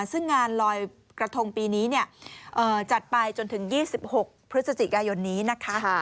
ซึ่งงานลอยกระทงปีนี้จัดไปจนถึง๒๖พฤศจิกายนนี้นะคะ